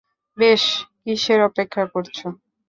বেশ, কীসের অপেক্ষা করছো?